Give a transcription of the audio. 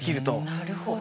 なるほど。